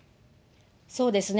そうですね。